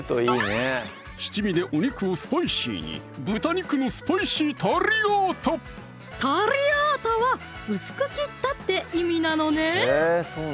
七味でお肉をスパイシーにタリアータは「薄く切った」って意味なのね